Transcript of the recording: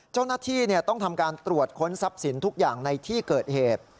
เจ้าหน้าที่ต้องทำการตรวจค้นทรัพย์สินทุกอย่างในที่เกิดเหตุ